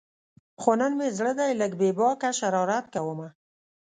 خو نن مې زړه دی لږ بې باکه شرارت کومه